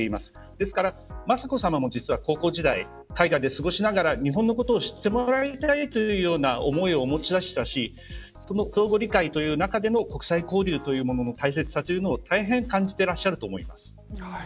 ですから雅子さまも実は高校時代海外で過ごしながら日本のことを知ってもらいたいという思いを持ち出したし相互理解という中での国際交流というものの大切さを大変感じてらっしゃると思います。